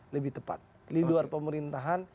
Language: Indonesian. lebih tepat di luar pemerintahan